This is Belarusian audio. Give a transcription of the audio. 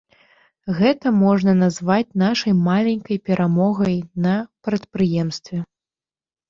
Гэта можна назваць нашай маленькай перамогай на прадпрыемстве.